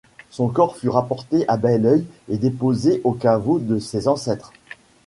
Son corps fut rapporté à Belœil et déposé au caveau de ses ancêtres.